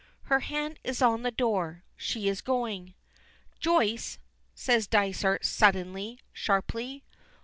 Her hand is on the door. She is going. "Joyce," says Dysart suddenly, sharply.